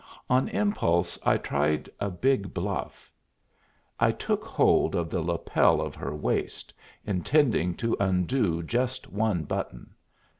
On impulse I tried a big bluff. I took hold of the lapel of her waist, intending to undo just one button.